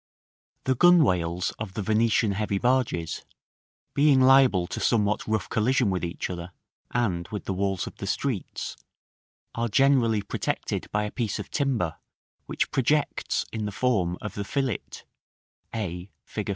§ II. The gunwales of the Venetian heavy barges being liable to somewhat rough collision with each other, and with the walls of the streets, are generally protected by a piece of timber, which projects in the form of the fillet, a, Fig.